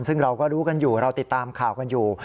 ซึ่งเราก็รู้กันอยู่เราติดตามข่าวกันอยู่